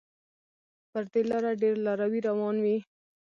پر دې لاره ډېر لاروي روان وي.